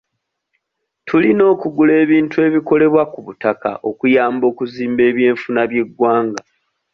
Tulina okugula ebintu ebikolebwa ku butaka okuyamba okuzimba eby'enfuna by'eggwanga.